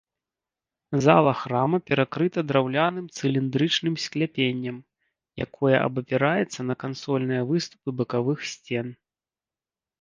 Зала храма перакрыта драўляным цыліндрычным скляпеннем, якое абапіраецца на кансольныя выступы бакавых сцен.